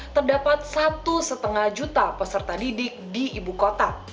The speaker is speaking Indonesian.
terdapat satu lima juta peserta didik di ibu kota